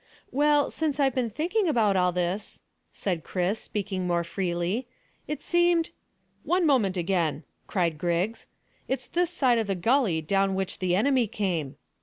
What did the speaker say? "Well, since I've been thinking about all this," said Chris, speaking more freely, "it seemed " "One moment again," cried Griggs, "it's this side of the gully down which the enemy came."